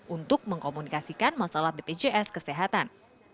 untuk mengkomunikasikan masalah bpjs kesehatan